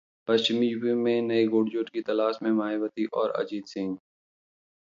पश्चिमी यूपी में नए गठजोड़ की तलाश में मायावती और अजित सिंह